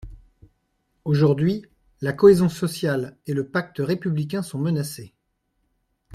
Aujourd’hui, la cohésion sociale et le pacte républicain sont menacés.